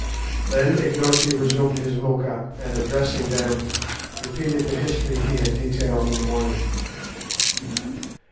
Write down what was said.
Then Ignosi resumed his moocha, and addressing them, repeated the history he had detailed in the morning.